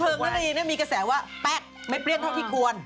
เรื่องเพลิงนาฬีเนี่ยมีกระแสว่าแป๊ะไม่เปลี่ยนเท่าที่ควร